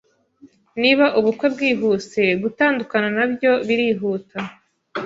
Niba ubukwe bwihuse, gutandukana nabyo birihuta